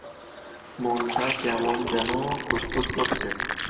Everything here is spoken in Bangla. মনটা কেমন যেন খুঁতখুঁত করছে।